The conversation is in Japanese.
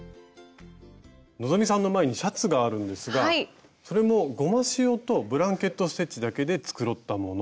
希さんの前にシャツがあるんですがそれもゴマシオとブランケット・ステッチだけで繕ったもの。